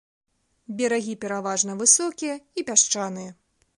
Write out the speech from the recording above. Берагі пераважна высокія і пясчаныя.